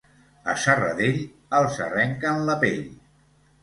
A Serradell, els arrenquen la pell.